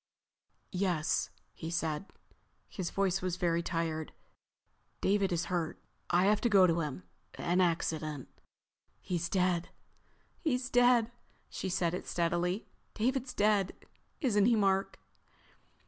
"Yes," he said. His voice was very tired. "David is hurt. I have to go to him. An accident." "He's dead." She said it steadily. "David's dead, isn't he, Mark?"